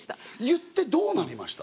言ってどうなりました？